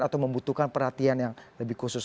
atau membutuhkan perhatian yang lebih khusus